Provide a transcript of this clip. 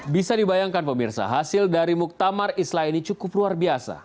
bisa dibayangkan pemirsa hasil dari muktamar islah ini cukup luar biasa